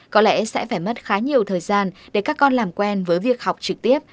có lẽ sẽ phải mất khá nhiều thời gian để các con làm quen với việc học trực tiếp